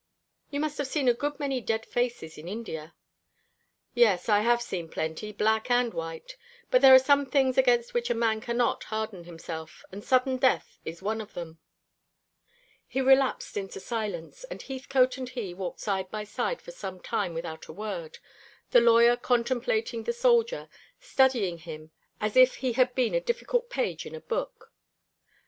"You must have seen a good many dead faces in India." "Yes, I have seen plenty black and white but there are some things against which a man cannot harden himself, and sudden death is one of them." He relapsed into silence, and Heathcote and he walked side by side for some time without a word, the lawyer contemplating the soldier, studying him as if he had been a difficult page in a book.